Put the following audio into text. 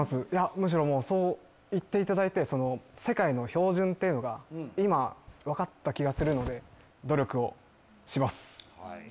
むしろそう言っていただいて世界の標準っていうのが今分かった気がするので努力をします。